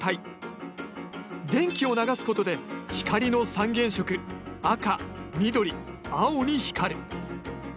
電気を流すことで光の三原色赤緑青に光る。